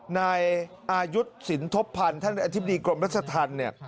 ในอายุศิณภพพันธ์ท่านอธิบดีกรมราชธรรม